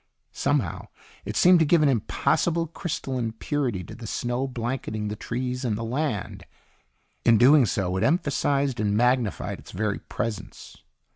Somehow it seemed to give an impossible crystalline purity to the snow blanketing the trees and the land. In doing so, it emphasized and magnified its very presence.